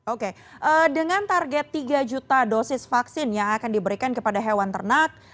oke dengan target tiga juta dosis vaksin yang akan diberikan kepada hewan ternak